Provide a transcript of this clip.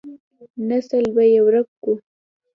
نسل به يې ورک کو.